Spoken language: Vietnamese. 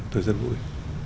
tôi rất vui